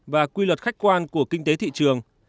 và quy luật khách quan của kinh tế thị trường